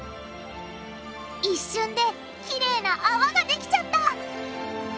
一瞬できれいなあわができちゃった！